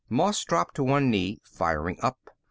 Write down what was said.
Moss dropped to one knee, firing up.